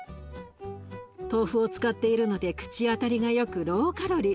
豆腐を使っているので口当たりがよくローカロリー。